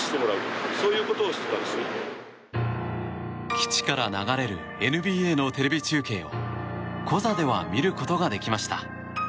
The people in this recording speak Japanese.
基地から流れるＮＢＡのテレビ中継をコザでは見ることができました。